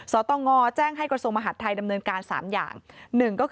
สตงแจ้งให้กระทรวงมหาดไทยดำเนินการ๓อย่าง